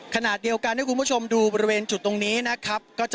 ขณะเดียวกันให้คุณผู้ชมดูบริเวณจุดตรงนี้นะครับ